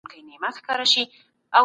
قصاص ټولنه د جرئت مخه نيسي.